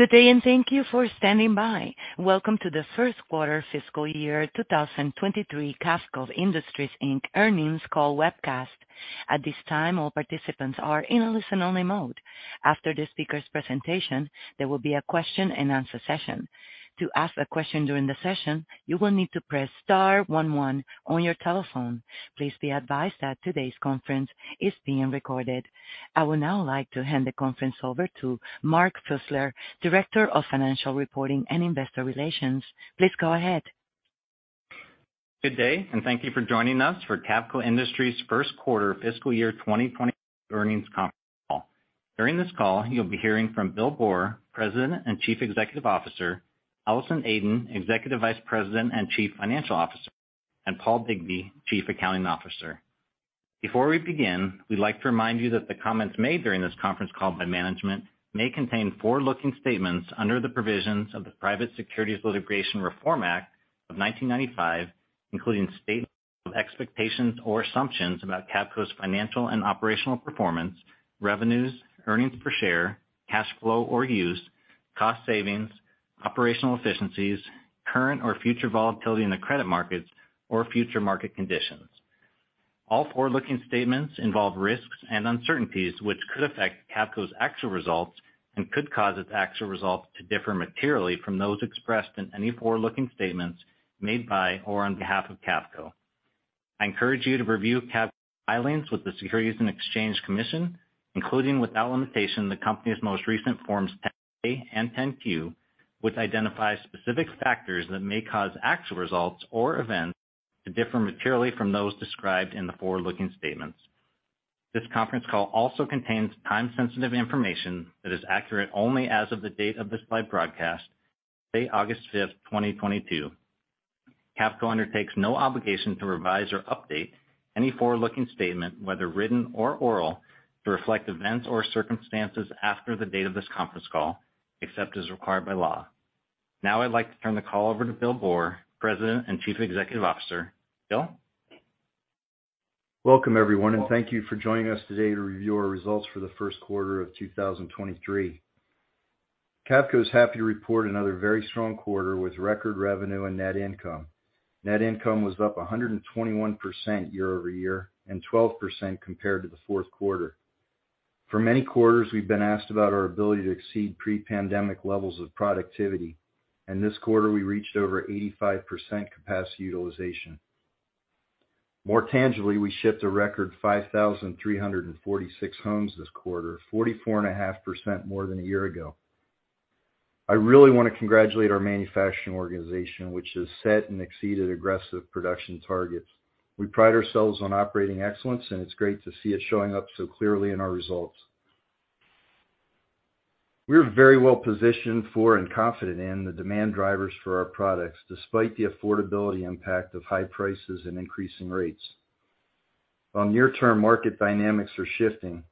Good day, and thank you for standing by. Welcome to the First Quarter Fiscal Year 2023 Cavco Industries, Inc. earnings call webcast. At this time, all participants are in a listen-only mode. After the speaker's presentation, there will be a question-and-answer session. To ask a question during the session, you will need to press star one one on your telephone. Please be advised that today's conference is being recorded. I would now like to hand the conference over to Mark Fusler, Director of Financial Reporting and Investor Relations. Please go ahead. Good day, and thank you for joining us for Cavco Industries First Quarter Fiscal Year 2023 Earnings Conference Call. During this call, you'll be hearing from Bill Boor, President and Chief Executive Officer, Allison Aden, Executive Vice President and Chief Financial Officer, and Paul Bigbee, Chief Accounting Officer. Before we begin, we'd like to remind you that the comments made during this conference call by management may contain forward-looking statements under the provisions of the Private Securities Litigation Reform Act of 1995, including statements of expectations or assumptions about Cavco's financial and operational performance, revenues, earnings per share, cash flow or use, cost savings, operational efficiencies, current or future volatility in the credit markets or future market conditions. All forward-looking statements involve risks and uncertainties which could affect Cavco's actual results and could cause its actual results to differ materially from those expressed in any forward-looking statements made by or on behalf of Cavco. I encourage you to review Cavco's filings with the Securities and Exchange Commission, including, without limitation, the company's most recent Forms 10-K and 10-Q, which identify specific factors that may cause actual results or events to differ materially from those described in the forward-looking statements. This conference call also contains time-sensitive information that is accurate only as of the date of this live broadcast, August 5, 2022. Cavco undertakes no obligation to revise or update any forward-looking statement, whether written or oral, to reflect events or circumstances after the date of this conference call, except as required by law. Now I'd like to turn the call over to Bill Boor, President and Chief Executive Officer. Bill? Welcome, everyone, and thank you for joining us today to review our results for the first quarter of 2023. Cavco is happy to report another very strong quarter with record revenue and net income. Net income was up 121% year-over-year and 12% compared to the fourth quarter. For many quarters, we've been asked about our ability to exceed pre-pandemic levels of productivity, and this quarter we reached over 85% capacity utilization. More tangibly, we shipped a record 5,346 homes this quarter, 44.5% more than a year ago. I really wanna congratulate our manufacturing organization, which has set and exceeded aggressive production targets. We pride ourselves on operating excellence, and it's great to see it showing up so clearly in our results. We're very well positioned for and confident in the demand drivers for our products, despite the affordability impact of high prices and increasing rates. While near-term market dynamics are shifting,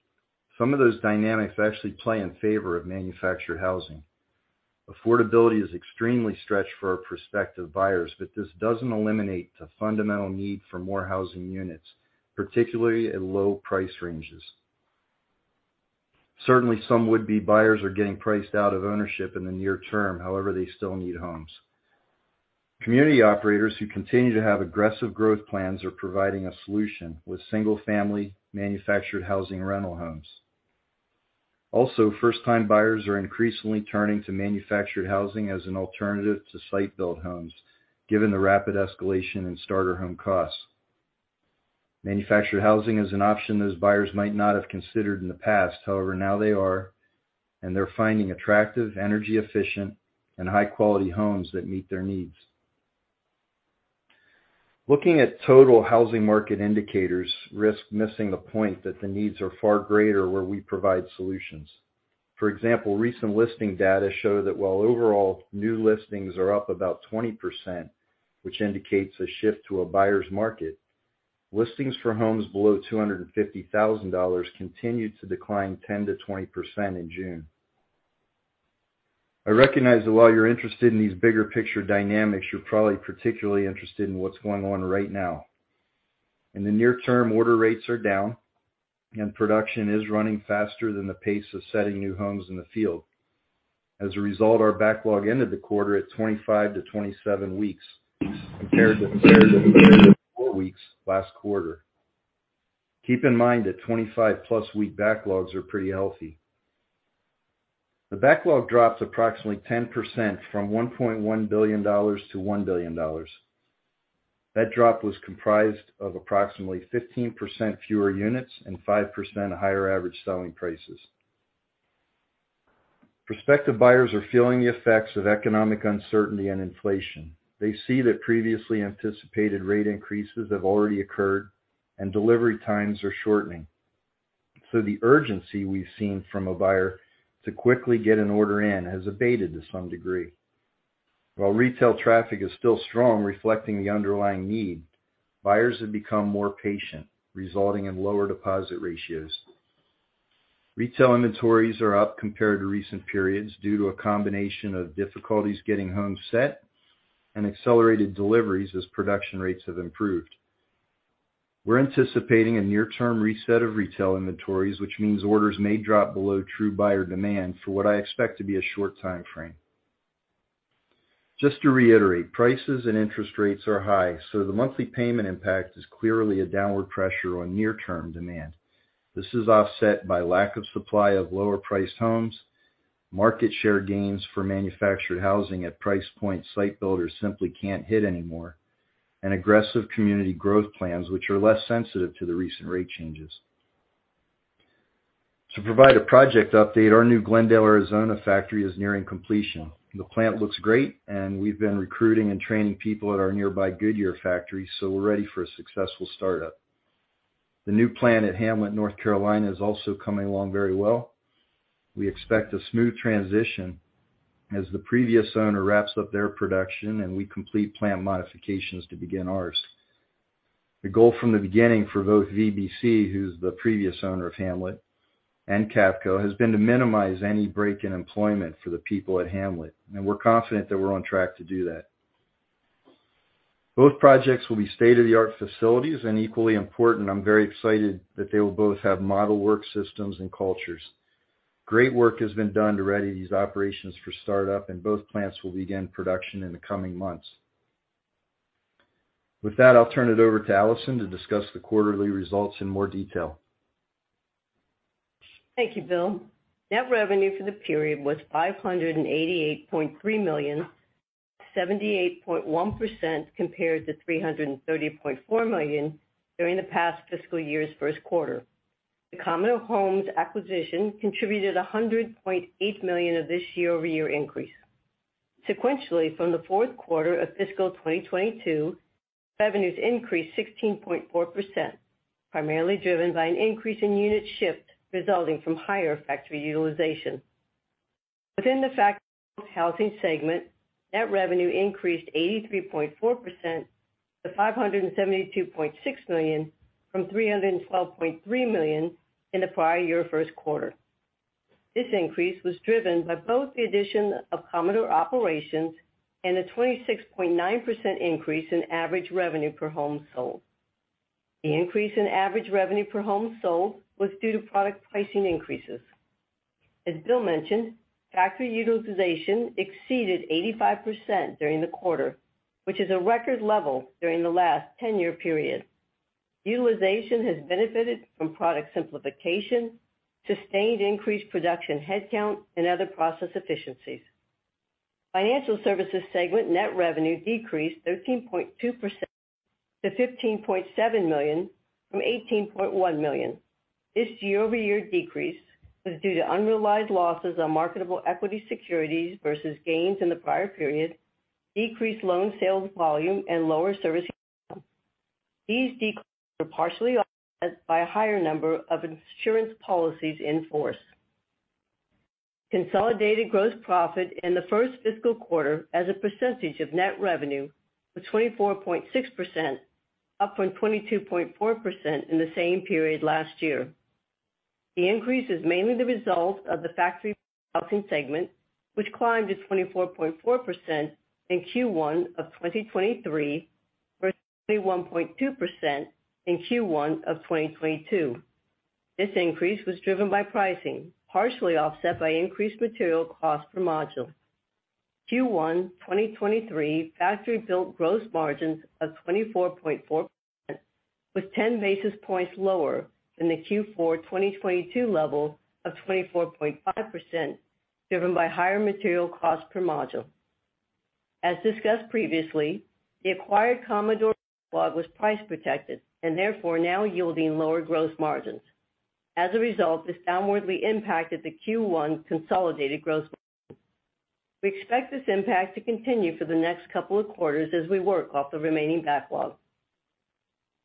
some of those dynamics actually play in favor of manufactured housing. Affordability is extremely stretched for our prospective buyers, but this doesn't eliminate the fundamental need for more housing units, particularly at low price ranges. Certainly, some would-be buyers are getting priced out of ownership in the near term. However, they still need homes. Community operators who continue to have aggressive growth plans are providing a solution with single-family manufactured housing rental homes. Also, first-time buyers are increasingly turning to manufactured housing as an alternative to site-built homes, given the rapid escalation in starter home costs. Manufactured housing is an option those buyers might not have considered in the past. However, now they are, and they're finding attractive, energy-efficient, and high-quality homes that meet their needs. Looking at total housing market indicators risk missing the point that the needs are far greater where we provide solutions. For example, recent listing data show that while overall new listings are up about 20%, which indicates a shift to a buyer's market, listings for homes below $250,000 continued to decline 10%-20% in June. I recognize that while you're interested in these bigger picture dynamics, you're probably particularly interested in what's going on right now. In the near term, order rates are down, and production is running faster than the pace of setting new homes in the field. As a result, our backlog ended the quarter at 25 weeks-27 weeks compared to four weeks last quarter. Keep in mind that 25+ week backlogs are pretty healthy. The backlog dropped approximately 10% from $1.1 billion-$1 billion. That drop was comprised of approximately 15% fewer units and 5% higher average selling prices. Prospective buyers are feeling the effects of economic uncertainty and inflation. They see that previously anticipated rate increases have already occurred and delivery times are shortening. The urgency we've seen from a buyer to quickly get an order in has abated to some degree. While retail traffic is still strong, reflecting the underlying need, buyers have become more patient, resulting in lower deposit ratios. Retail inventories are up compared to recent periods due to a combination of difficulties getting homes set and accelerated deliveries as production rates have improved. We're anticipating a near-term reset of retail inventories, which means orders may drop below true buyer demand for what I expect to be a short time frame. Just to reiterate, prices and interest rates are high, so the monthly payment impact is clearly a downward pressure on near-term demand. This is offset by lack of supply of lower-priced homes, market share gains for manufactured housing at price point site builders simply can't hit anymore, and aggressive community growth plans which are less sensitive to the recent rate changes. To provide a project update, our new Glendale, Arizona factory is nearing completion. The plant looks great, and we've been recruiting and training people at our nearby Goodyear factory, so we're ready for a successful startup. The new plant at Hamlet, North Carolina, is also coming along very well. We expect a smooth transition as the previous owner wraps up their production and we complete plant modifications to begin ours. The goal from the beginning for both VBC, who's the previous owner of Hamlet, and Cavco, has been to minimize any break in employment for the people at Hamlet, and we're confident that we're on track to do that. Both projects will be state-of-the-art facilities, and equally important, I'm very excited that they will both have model work systems and cultures. Great work has been done to ready these operations for startup, and both plants will begin production in the coming months. With that, I'll turn it over to Allison to discuss the quarterly results in more detail. Thank you, Bill. Net revenue for the period was $588.3 million, 78.1% compared to $330.4 million during the past fiscal year's first quarter. The Commodore Homes acquisition contributed $100.8 million of this year-over-year increase. Sequentially, from the fourth quarter of fiscal 2022, revenues increased 16.4%, primarily driven by an increase in units shipped resulting from higher factory utilization. Within the factory-built housing segment, net revenue increased 83.4% to $572.6 million, from $312.3 million in the prior year first quarter. This increase was driven by both the addition of Commodore operations and a 26.9% increase in average revenue per home sold. The increase in average revenue per home sold was due to product pricing increases. As Bill mentioned, factory utilization exceeded 85% during the quarter, which is a record level during the last 10-year period. Utilization has benefited from product simplification, sustained increased production headcount, and other process efficiencies. Financial services segment net revenue decreased 13.2% to $15.7 million from $18.1 million. This year-over-year decrease was due to unrealized losses on marketable equity securities versus gains in the prior period, decreased loan sales volume, and lower service income. These declines were partially offset by a higher number of insurance policies in force. Consolidated gross profit in the first fiscal quarter as a percentage of net revenue was 24.6%, up from 22.4% in the same period last year. The increase is mainly the result of the factory-built h ousing segment, which climbed to 24.4% in Q1 of 2023 versus 21.2% in Q1 of 2022. This increase was driven by pricing, partially offset by increased material cost per module. Q1 2023 factory-built gross margins of 24.4% was 10 basis points lower than the Q4 2022 level of 24.5%, driven by higher material cost per module. As discussed previously, the acquired Commodore backlog was price protected and therefore now yielding lower gross margins. As a result, this downwardly impacted the Q1 consolidated gross margin. We expect this impact to continue for the next couple of quarters as we work off the remaining backlog.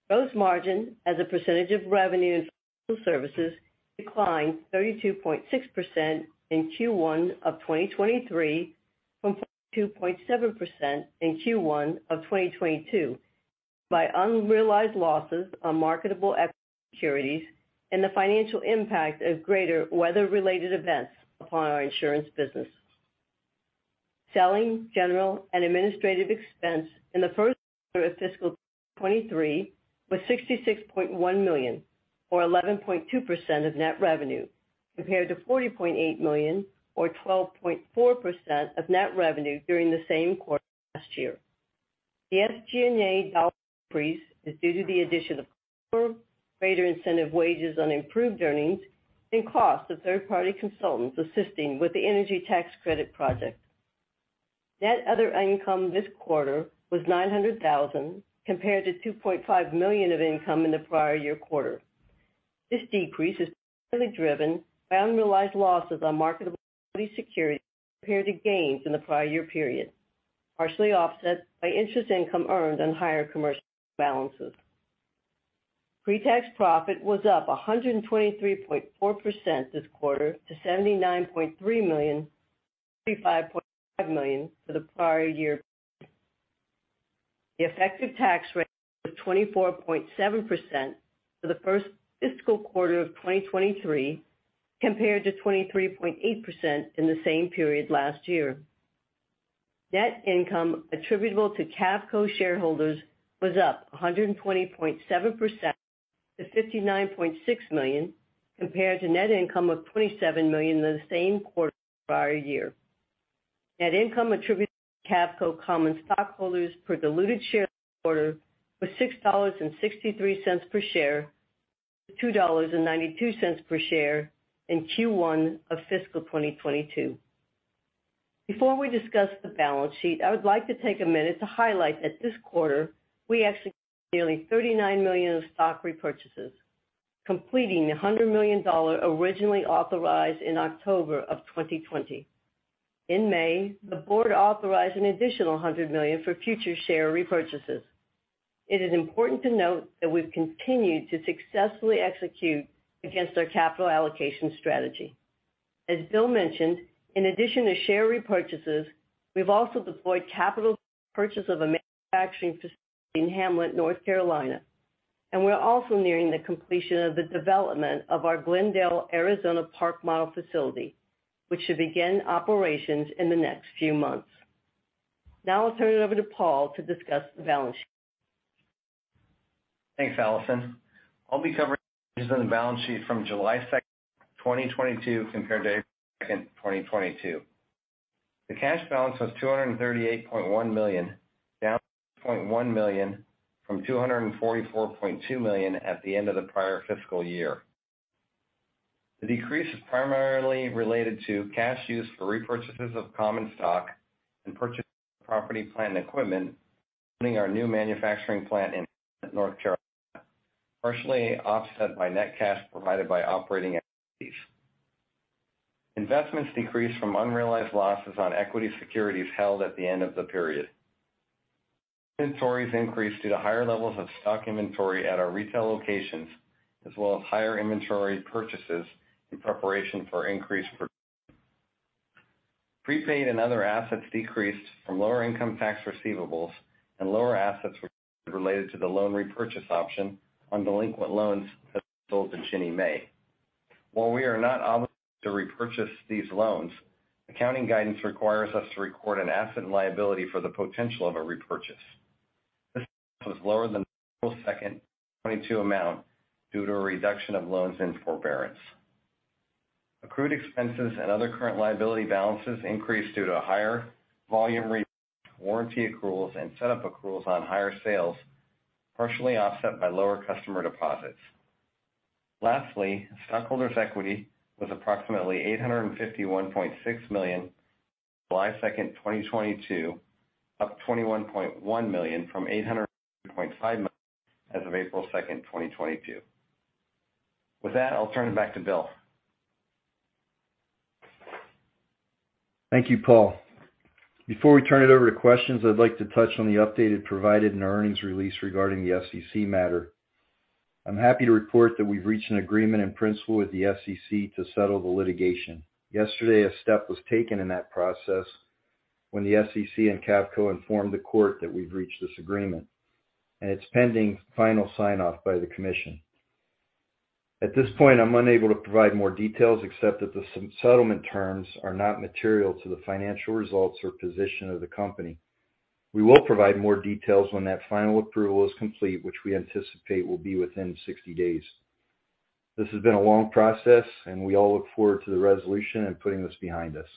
Gross margin as a percentage of revenue in financial services declined 32.6% in Q1 of 2023 from 42.7% in Q1 of 2022 by unrealized losses on marketable equity securities and the financial impact of greater weather-related events upon our insurance business. Selling, general, and administrative expense in the first quarter of fiscal 2023 was $66.1 million, or 11.2% of net revenue, compared to $40.8 million or 12.4% of net revenue during the same quarter last year. The SG&A dollar increase is due to the addition of Commodore, greater incentive wages on improved earnings, and costs of third-party consultants assisting with the energy tax credit project. Net other income this quarter was $900,000 compared to $2.5 million of income in the prior year quarter. This decrease is primarily driven by unrealized losses on marketable equity securities compared to gains in the prior year period, partially offset by interest income earned on higher commercial balances. Pre-tax profit was up 123.4% this quarter to $79.3 million, from $35.5 million for the prior year period. The effective tax rate was 24.7% for the first fiscal quarter of 2023, compared to 23.8% in the same period last year. Net income attributable to Cavco shareholders was up 120.7% to $59.6 million, compared to net income of $27 million in the same quarter of the prior year. Net income attributable to Cavco common stockholders per diluted share this quarter was $6.63 per share, compared to $2.92 per share in Q1 of fiscal 2022. Before we discuss the balance sheet, I would like to take a minute to highlight that this quarter we actually nearly $39 million of stock repurchases, completing the $100 million originally authorized in October of 2020. In May, the board authorized an additional $100 million for future share repurchases. It is important to note that we've continued to successfully execute against our capital allocation strategy. As Bill mentioned, in addition to share repurchases, we've also deployed capital purchase of a manufacturing facility in Hamlet, North Carolina. We're also nearing the completion of the development of our Glendale, Arizona Park Models facility, which should begin operations in the next few months. Now I'll turn it over to Paul to discuss the balance sheet. Thanks, Allison. I'll be covering the balance sheet from July 2nd, 2022, compared to April 2nd, 2022. The cash balance was $238.1 million, down $0.1 million from $244.2 million at the end of the prior fiscal year. The decrease is primarily related to cash use for repurchases of common stock and purchase of property, plant, and equipment, including our new manufacturing plant in North Carolina, partially offset by net cash provided by operating activities. Investments decreased due to unrealized losses on equity securities held at the end of the period. Inventories increased due to higher levels of stock inventory at our retail locations, as well as higher inventory purchases in preparation for increased production. Prepaid and other assets decreased from lower income tax receivables and lower assets related to the loan repurchase option on delinquent loans that were sold to Ginnie Mae. While we are not obligated to repurchase these loans, accounting guidance requires us to record an asset and liability for the potential of a repurchase. This was lower than the April 2nd, 2022 amount due to a reduction of loans in forbearance. Accrued expenses and other current liability balances increased due to a higher volume warranty accruals and set up accruals on higher sales, partially offset by lower customer deposits. Lastly, stockholders' equity was approximately $851.6 million July 2nd, 2022, up $21.1 million from $800.5 million as of April 2nd, 2022. With that, I'll turn it back to Bill. Thank you, Paul. Before we turn it over to questions, I'd like to touch on the update provided in our earnings release regarding the SEC matter. I'm happy to report that we've reached an agreement in principle with the SEC to settle the litigation. Yesterday, a step was taken in that process when the SEC and Cavco informed the court that we've reached this agreement, and it's pending final sign-off by the commission. At this point, I'm unable to provide more details, except that the settlement terms are not material to the financial results or position of the company. We will provide more details when that final approval is complete, which we anticipate will be within 60 days. This has been a long process, and we all look forward to the resolution and putting this behind us.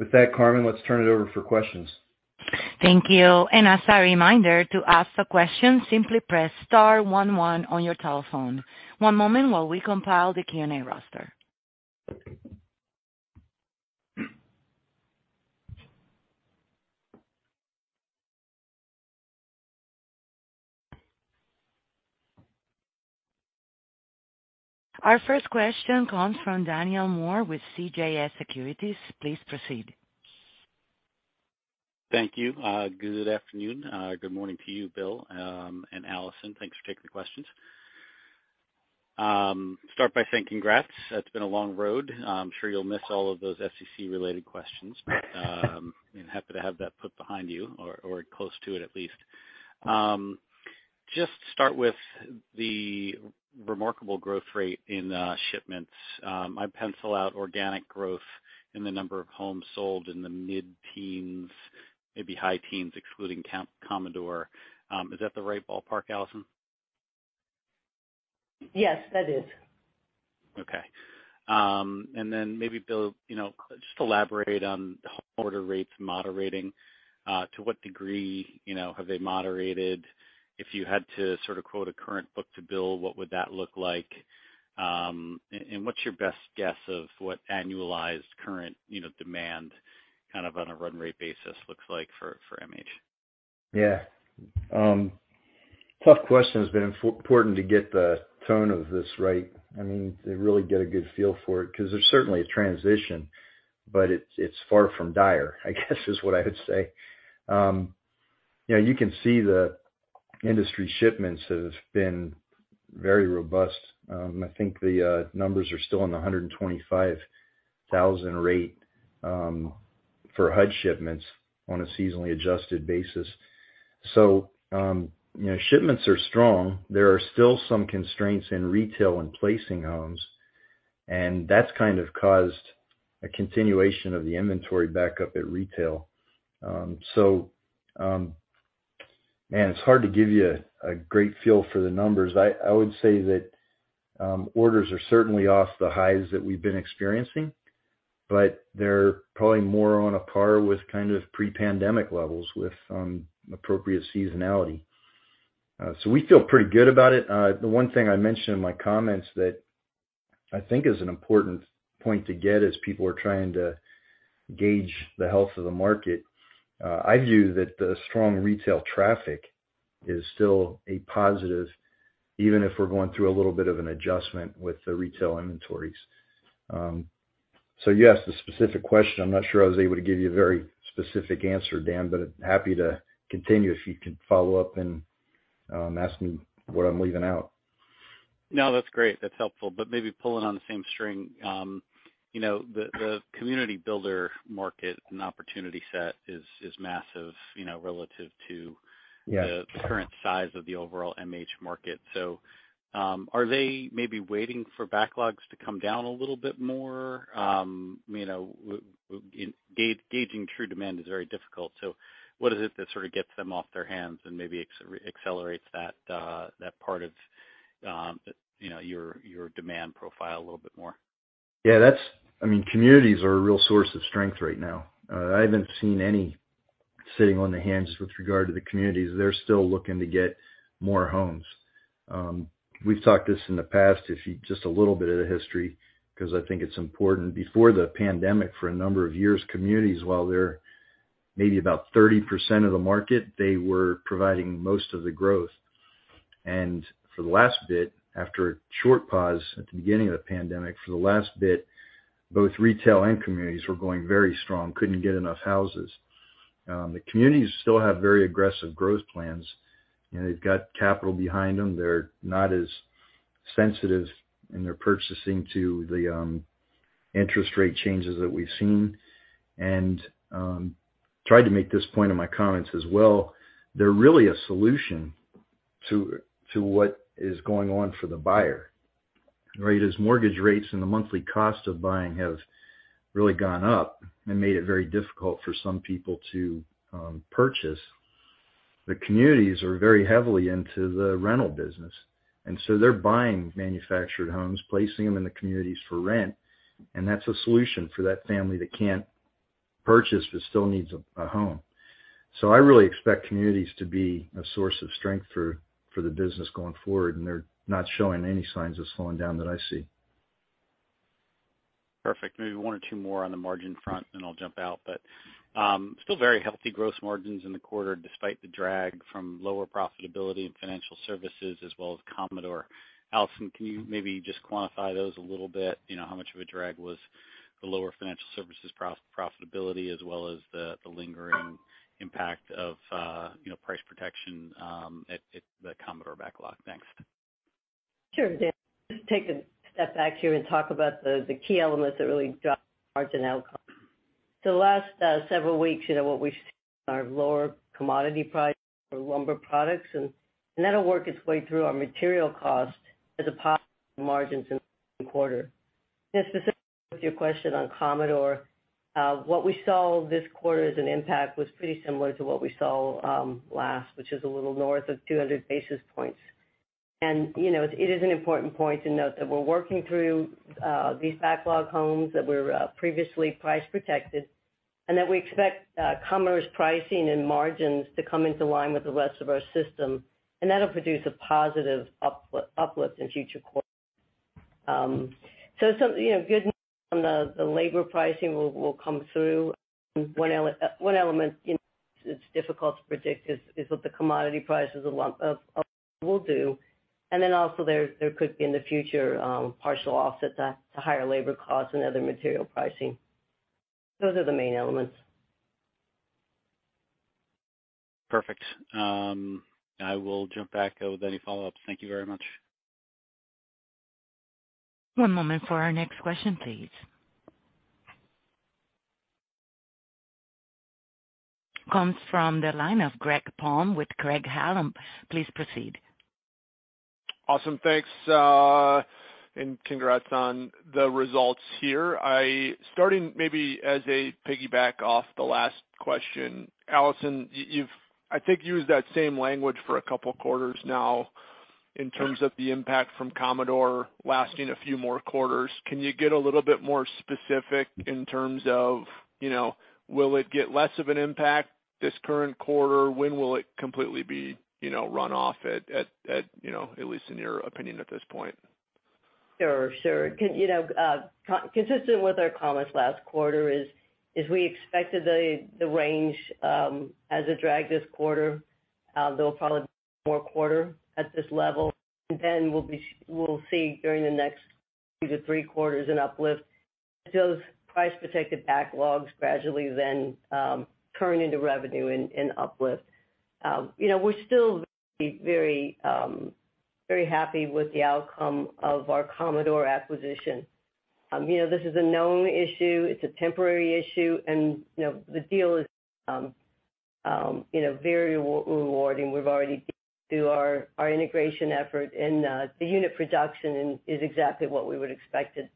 With that, Carmen, let's turn it over for questions. Thank you. As a reminder, to ask a question simply press star one one on your telephone. One moment while we compile the Q&A roster. Our first question comes from Daniel Moore with CJS Securities. Please proceed. Thank you. Good afternoon. Good morning to you, Bill, and Allison. Thanks for taking the questions. Start by saying congrats. It's been a long road. I'm sure you'll miss all of those SEC-related questions and happy to have that put behind you or close to it at least. Just start with the remarkable growth rate in shipments. I pencil out organic growth in the number of homes sold in the mid-teens, maybe high teens, excluding Commodore. Is that the right ballpark, Allison? Yes, that is. Okay. Maybe Bill, you know, just elaborate on the order rates moderating. To what degree, you know, have they moderated? If you had to sort of quote a current book-to-bill, what would that look like? What's your best guess of what annualized current, you know, demand kind of on a run rate basis looks like for MH? Yeah. Tough question. It's been important to get the tone of this right. I mean, to really get a good feel for it, 'cause there's certainly a transition, but it's far from dire, I guess, is what I would say. You know, you can see the industry shipments have been very robust. I think the numbers are still in the 125,000 rate for HUD shipments on a seasonally adjusted basis. You know, shipments are strong. There are still some constraints in retail and placing homes. And that's kind of caused a continuation of the inventory backup at retail. So, man, it's hard to give you a great feel for the numbers. I would say that orders are certainly off the highs that we've been experiencing, but they're probably more on a par with kind of pre-pandemic levels with appropriate seasonality. We feel pretty good about it. The one thing I mentioned in my comments that I think is an important point to get as people are trying to gauge the health of the market, I view that the strong retail traffic is still a positive, even if we're going through a little bit of an adjustment with the retail inventories. You asked a specific question. I'm not sure I was able to give you a very specific answer, Dan, but happy to continue if you can follow up and ask me what I'm leaving out. No, that's great. That's helpful. Maybe pulling on the same string, you know, the community builder market and opportunity set is massive, you know, relative to. Yes. The current size of the overall MH market. Are they maybe waiting for backlogs to come down a little bit more? You know, gauging true demand is very difficult, so what is it that sort of gets them off their hands and maybe accelerates that part of, you know, your demand profile a little bit more? Yeah, that's I mean, communities are a real source of strength right now. I haven't seen any sitting on the hands with regard to the communities. They're still looking to get more homes. We've talked this in the past. Just a little bit of the history because I think it's important. Before the pandemic, for a number of years, communities, while they're maybe about 30% of the market, they were providing most of the growth. For the last bit, after a short pause at the beginning of the pandemic, both retail and communities were going very strong, couldn't get enough houses. The communities still have very aggressive growth plans, and they've got capital behind them. They're not as sensitive in their purchasing to the interest rate changes that we've seen. Tried to make this point in my comments as well, they're really a solution to what is going on for the buyer, right? As mortgage rates and the monthly cost of buying has really gone up and made it very difficult for some people to purchase, the communities are very heavily into the rental business. They're buying manufactured homes, placing them in the communities for rent, and that's a solution for that family that can't purchase but still needs a home. I really expect communities to be a source of strength for the business going forward, and they're not showing any signs of slowing down that I see. Perfect. Maybe one or two more on the margin front, then I'll jump out. Still very healthy gross margins in the quarter despite the drag from lower profitability in financial services as well as Commodore. Allison, can you maybe just quantify those a little bit? You know, how much of a drag was the lower financial services profitability as well as the lingering impact of, you know, price protection at the Commodore backlog? Thanks. Sure, Dan. Take a step back here and talk about the key elements that really drive margin outcome. The last several weeks, you know, what we've seen are lower commodity prices for lumber products, and that'll work its way through our material cost as a positive to margins in the quarter. Specifically with your question on Commodore, what we saw this quarter as an impact was pretty similar to what we saw last, which is a little north of 200 basis points. You know, it is an important point to note that we're working through these backlog homes that were previously price protected, and that we expect Commodore's pricing and margins to come into line with the rest of our system, and that'll produce a positive uplift in future quarters. Some, you know, good news from the labor pricing will come through. One element, you know, it's difficult to predict is what the commodity prices of lumber will do. Also, there could be in the future partial offsets to higher labor costs and other material pricing. Those are the main elements. Perfect. I will jump back with any follow-ups. Thank you very much. One moment for our next question, please. Comes from the line of Greg Palm with Craig-Hallum. Please proceed. Awesome. Thanks, and congrats on the results here. Starting maybe as a piggyback off the last question. Allison, you've, I think, used that same language for a couple quarters now in terms of the impact from Commodore lasting a few more quarters. Can you get a little bit more specific in terms of, you know, will it get less of an impact this current quarter? When will it completely be, you know, run off at least in your opinion at this point? Sure, sure. Consistent with our comments last quarter, we expected the range as a drag this quarter. There will probably be more quarters at this level. We'll see during the next two-three quarters an uplift as those price protected backlogs gradually then turn into revenue and uplift. You know, we're still very, very happy with the outcome of our Commodore acquisition. You know, this is a known issue. It's a temporary issue and, you know, the deal is You know, very rewarding. We've already did our integration effort, and the unit production is exactly what we would expected.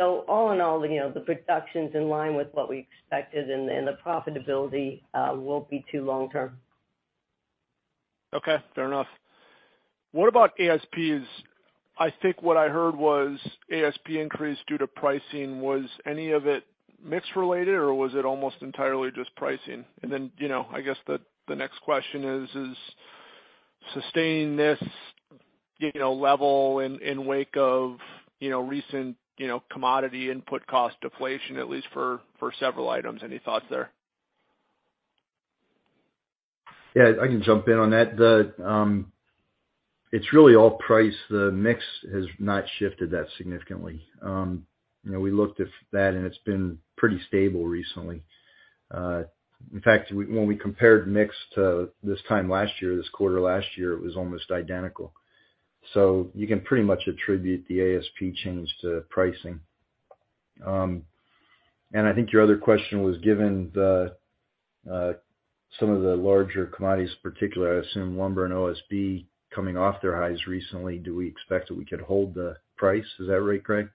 All in all, you know, the production's in line with what we expected, and the profitability won't be too long-term. Okay, fair enough. What about ASPs? I think what I heard was ASP increased due to pricing. Was any of it mix related, or was it almost entirely just pricing? Then, you know, I guess the next question is sustaining this, you know, level in wake of, you know, recent, you know, commodity input cost deflation, at least for several items. Any thoughts there? Yeah, I can jump in on that. It's really all price. The mix has not shifted that significantly. You know, we looked at that, and it's been pretty stable recently. In fact, when we compared mix to this time last year, this quarter last year, it was almost identical. So you can pretty much attribute the ASP change to pricing. And I think your other question was given the, some of the larger commodities particularly, I assume lumber and OSB coming off their highs recently, do we expect that we could hold the price? Is that right, Greg?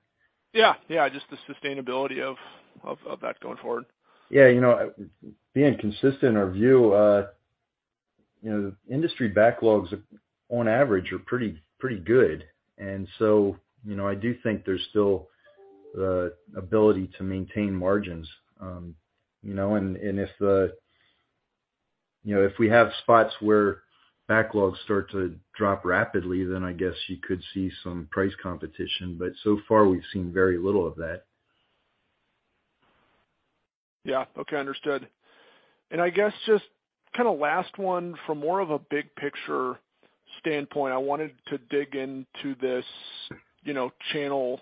Yeah. Yeah, just the sustainability of that going forward. Yeah, you know, being consistent in our view, you know, industry backlogs on average are pretty good. You know, I do think there's still the ability to maintain margins, you know. And if we have spots where backlogs start to drop rapidly, then I guess you could see some price competition. So far, we've seen very little of that. Yeah. Okay, understood. I guess just kinda last one from more of a big picture standpoint. I wanted to dig into this, you know, channel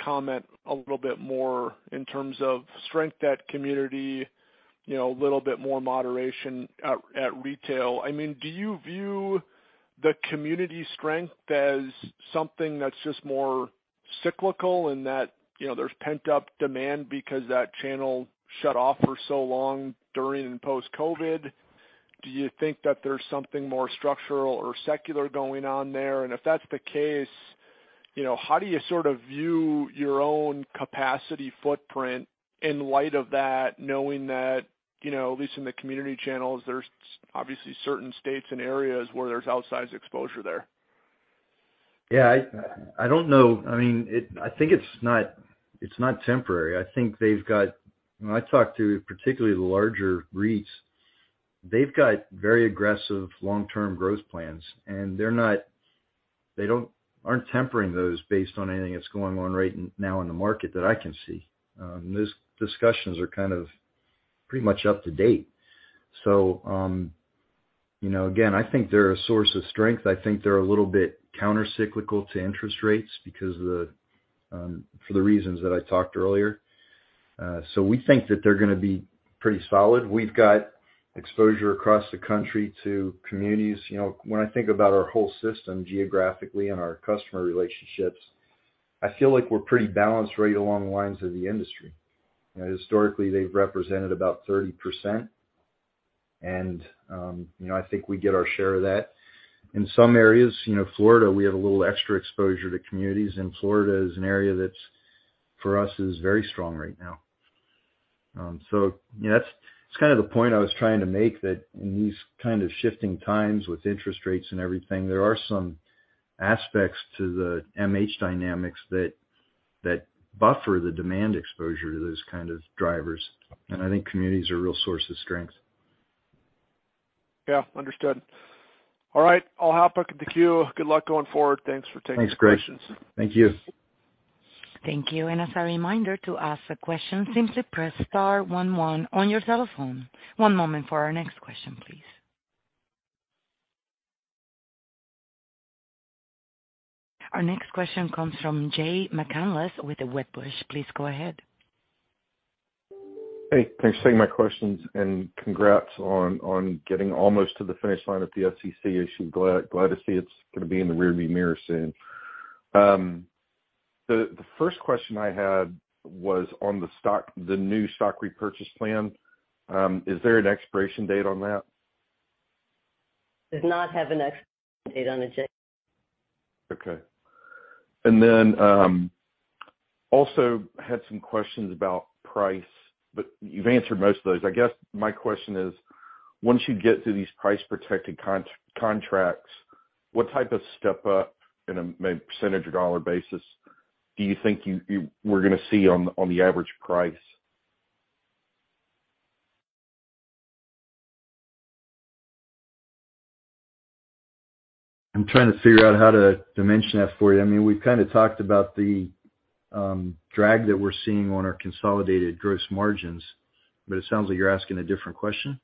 comment a little bit more in terms of strength at community, you know, a little bit more moderation at retail. I mean, do you view the community strength as something that's just more cyclical and that, you know, there's pent-up demand because that channel shut off for so long during and post COVID? Do you think that there's something more structural or secular going on there? If that's the case, you know, how do you sort of view your own capacity footprint in light of that, knowing that, you know, at least in the community channels, there's obviously certain states and areas where there's outsized exposure there? Yeah, I don't know. I mean, I think it's not temporary. When I talk to particularly the larger REITs, they've got very aggressive long-term growth plans, and they aren't tempering those based on anything that's going on right now in the market that I can see. Those discussions are kind of pretty much up-to-date. You know, again, I think they're a source of strength. I think they're a little bit countercyclical to interest rates because of the, for the reasons that I talked earlier. We think that they're gonna be pretty solid. We've got exposure across the country to communities. You know, when I think about our whole system geographically and our customer relationships, I feel like we're pretty balanced right along the lines of the industry. You know, historically, they've represented about 30%, and you know, I think we get our share of that. In some areas, you know, Florida, we have a little extra exposure to communities, and Florida is an area that's, for us, is very strong right now. Yeah, that's, it's kind of the point I was trying to make that in these kind of shifting times with interest rates and everything, there are some aspects to the MH dynamics that buffer the demand exposure to those kind of drivers, and I think communities are a real source of strength. Yeah, understood. All right. I'll hop back in the queue. Good luck going forward. Thanks for taking the questions. Thanks, Greg. Thank you. Thank you. As a reminder to ask a question, simply press star one one on your telephone. One moment for our next question, please. Our next question comes from Jay McCanless with Wedbush. Please go ahead. Hey. Thanks for taking my questions, and congrats on getting almost to the finish line of the SEC issue. Glad to see it's gonna be in the rearview mirror soon. The first question I had was on the new stock repurchase plan. Is there an expiration date on that? Does not have an expiration date on it, Jay. Okay. Also had some questions about price, but you've answered most of those. I guess my question is, once you get through these price protected contracts, what type of step up in a maybe percentage or dollar basis do you think we're gonna see on the average price? I'm trying to figure out how to dimension that for you. I mean, we've kind of talked about the drag that we're seeing on our consolidated gross margins, but it sounds like you're asking a different question.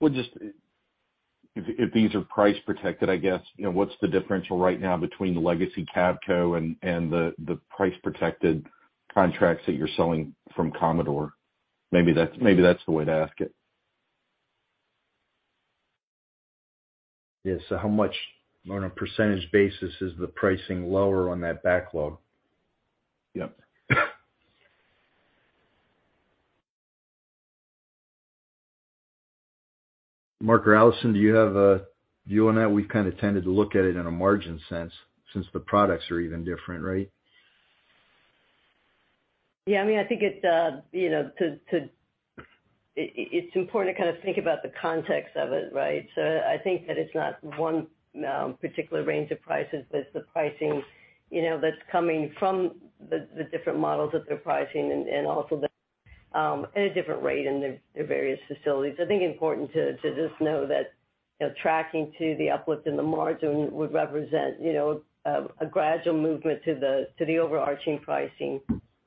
Well, just if these are price protected, I guess, you know, what's the differential right now between the legacy Cavco and the price protected contracts that you're selling from Commodore? Maybe that's the way to ask it. Yes. How much on a percentage basis is the pricing lower on that backlog? Yep. Mark or Allison, do you have a view on that? We've kind of tended to look at it in a margin sense since the products are even different, right? Yeah. I mean, I think it, you know, it's important to kind of think about the context of it, right? I think that it's not one particular range of prices, but the pricing, you know, that's coming from the different models that they're pricing and also they're at a different rate in their various facilities. I think it's important to just know that, you know, tracking to the uplift in the margin would represent, you know, a gradual movement to the overarching pricing,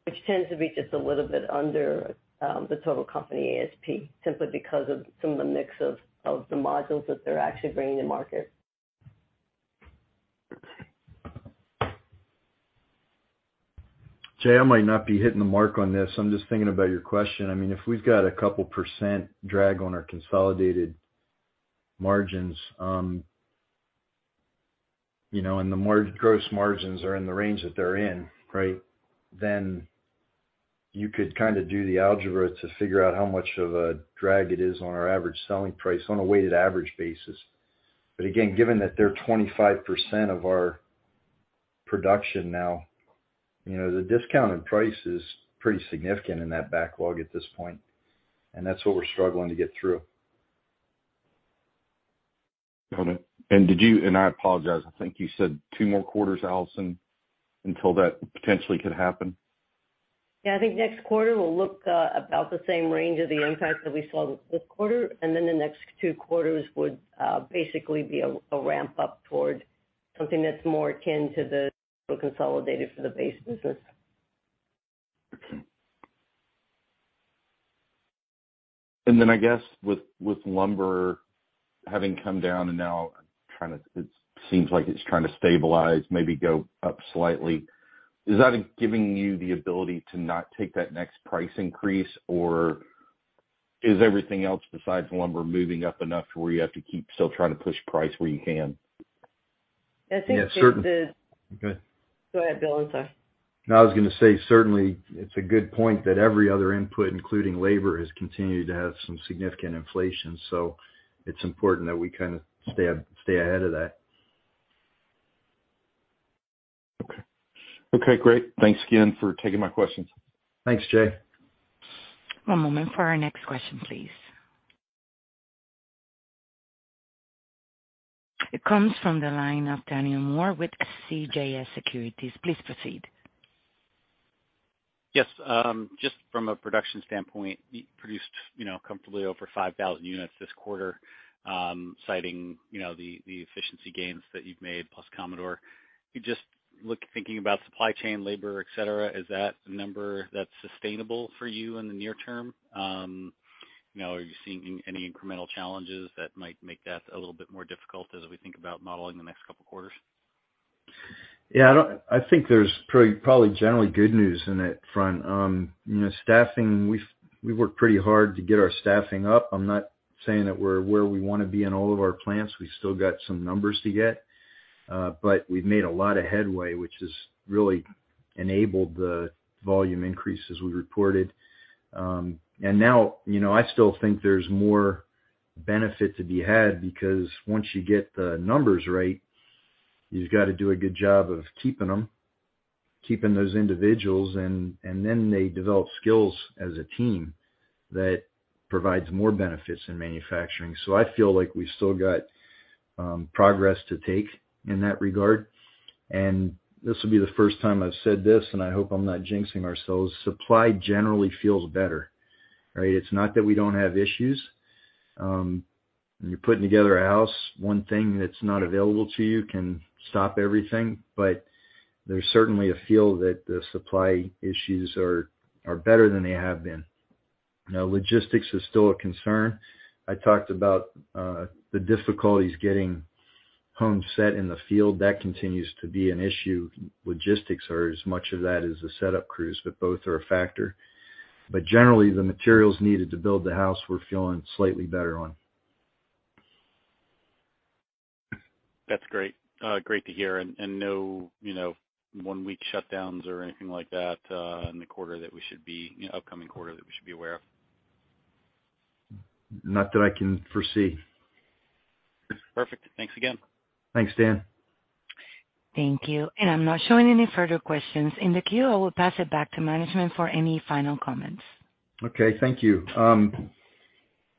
which tends to be just a little bit under the total company ASP, simply because of some of the mix of the modules that they're actually bringing to market. Jay, I might not be hitting the mark on this. I'm just thinking about your question. I mean, if we've got a couple of percent drag on our consolidated margins, you know, and the gross margins are in the range that they're in, right? Then you could kind of do the algebra to figure out how much of a drag it is on our average selling price on a weighted average basis. But again, given that they're 25% of our production now, you know, the discounted price is pretty significant in that backlog at this point. That's what we're struggling to get through. Got it. I apologize, I think you said two more quarters, Allison, until that potentially could happen? Yeah, I think next quarter will look about the same range of the impact that we saw this quarter, and then the next two quarters would basically be a ramp up toward something that's more akin to the consolidated for the base business. Okay. I guess with lumber having come down and now trying to, it seems like it's trying to stabilize, maybe go up slightly. Is that giving you the ability to not take that next price increase, or is everything else besides lumber moving up enough to where you have to keep still trying to push price where you can? I think it's the. Yeah. Go ahead, Bill. I'm sorry. No, I was gonna say, certainly it's a good point that every other input, including labor, has continued to have some significant inflation. It's important that we kind of stay ahead of that. Okay. Okay, great. Thanks again for taking my questions. Thanks, Jay. One moment for our next question, please. It comes from the line of Daniel Moore with CJS Securities. Please proceed. Yes. Just from a production standpoint, you produced, you know, comfortably over 5,000 units this quarter, citing, you know, the efficiency gains that you've made, plus Commodore. If you just look at supply chain, labor, et cetera, is that a number that's sustainable for you in the near term? You know, are you seeing any incremental challenges that might make that a little bit more difficult as we think about modeling the next couple quarters? Yeah, I think there's probably generally good news on that front. You know, staffing, we've worked pretty hard to get our staffing up. I'm not saying that we're where we wanna be in all of our plants. We've still got some numbers to get, but we've made a lot of headway, which has really enabled the volume increase as we reported. Now, you know, I still think there's more benefit to be had because once you get the numbers right, you've got to do a good job of keeping them, keeping those individuals, and then they develop skills as a team that provides more benefits in manufacturing. I feel like we've still got progress to take in that regard. This will be the first time I've said this, and I hope I'm not jinxing ourselves. Supply generally feels better, right? It's not that we don't have issues. When you're putting together a house, one thing that's not available to you can stop everything. There's certainly a feel that the supply issues are better than they have been. Now, logistics is still a concern. I talked about the difficulties getting homes set in the field. That continues to be an issue. Logistics are as much of that as the setup crews, but both are a factor. Generally, the materials needed to build the house, we're feeling slightly better on. That's great. Great to hear. No, you know, one-week shutdowns or anything like that in the upcoming quarter that we should be aware of? Not that I can foresee. Perfect. Thanks again. Thanks, Dan. Thank you. I'm not showing any further questions in the queue. I will pass it back to management for any final comments. Okay. Thank you. You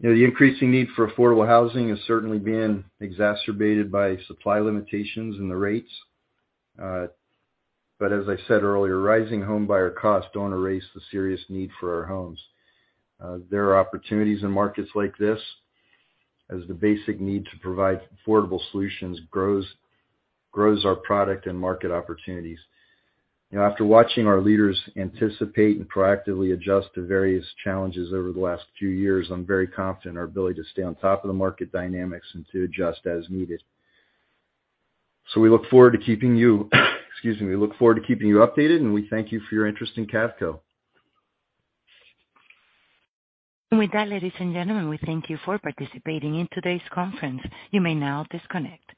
know, the increasing need for affordable housing has certainly been exacerbated by supply limitations and the rates. But as I said earlier, rising home buyer costs don't erase the serious need for our homes. There are opportunities in markets like this as the basic need to provide affordable solutions grows our product and market opportunities. You know, after watching our leaders anticipate and proactively adjust to various challenges over the last few years, I'm very confident in our ability to stay on top of the market dynamics and to adjust as needed. We look forward to keeping you updated, and we thank you for your interest in Cavco. With that, ladies and gentlemen, we thank you for participating in today's conference. You may now disconnect.